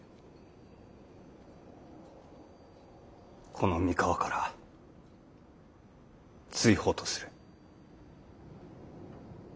この三河から追放とする。